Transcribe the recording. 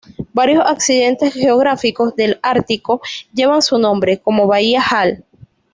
Varios accidentes geográficos del ártico llevan su nombre, como bahía Hall.